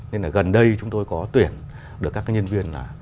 nên là gần đây chúng tôi có tuyển được các nhân viên